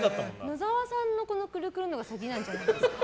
野沢さんのくるくるのほうが先じゃないですか。